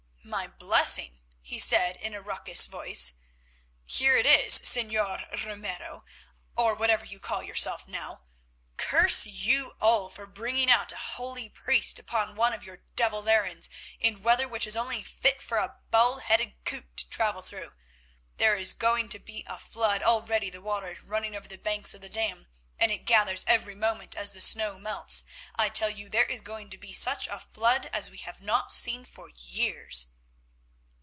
"My blessing?" he said in a raucous voice. "Here it is, Señor Ramiro, or whatever you call yourself now. Curse you all for bringing out a holy priest upon one of your devil's errands in weather which is only fit for a bald headed coot to travel through. There is going to be a flood; already the water is running over the banks of the dam, and it gathers every moment as the snow melts. I tell you there is going to be such a flood as we have not seen for years."